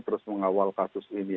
terus mengawal kasus ini